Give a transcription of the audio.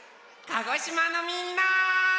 鹿児島のみんな！